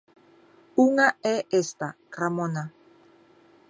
Unha é esta: Ramona.